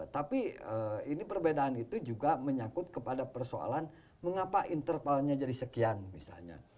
tapi ini perbedaan itu juga menyakut kepada persoalan mengapa intervalnya jadi sekian misalnya